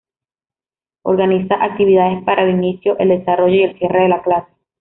Organiza actividades para el inicio, el desarrollo y el cierre de la clase.